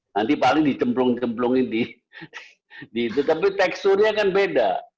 nanti paling dicemplung cemplungin gitu tapi teksturnya kan beda